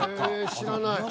知らない。